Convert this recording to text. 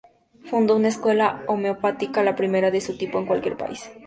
Fundó una escuela homeopática, la primera de su tipo en cualquier país.